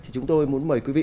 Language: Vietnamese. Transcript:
chúng tôi muốn mời quý vị